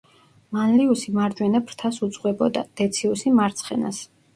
მანლიუსი მარჯვენა ფრთას უძღვებოდა, დეციუსი მარცხენას.